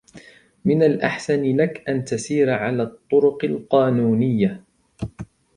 من الأحسن لك أن تسير على الطرق القانونية.